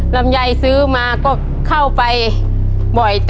ลำยายซื้อมาเมื่อกายปกติ